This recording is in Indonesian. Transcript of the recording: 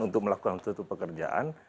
untuk melakukan suatu pekerjaan